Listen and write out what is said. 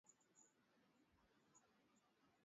Niongoze safarini.